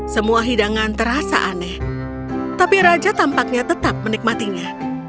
semua hidangan terasa aneh tapi raja tampaknya tetap menikmatinya